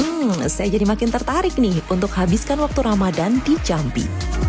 hmm saya jadi makin tertarik nih untuk habiskan waktu ramadan di jambi